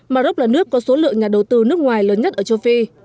mà rốc là nước có số lượng nhà đầu tư nước ngoài lớn nhất ở châu phi